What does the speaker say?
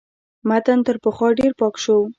متن تر پخوا ډېر پاک شو.